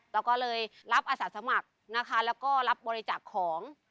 เราก็เลยรับอสัตว์สมัครแล้วก็รับบริจาคของ